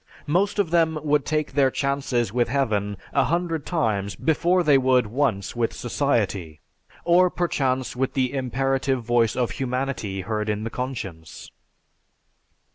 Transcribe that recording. Most of them would take their chances with heaven a hundred times before they would once with society, or perchance with the imperative voice of humanity heard in the conscience."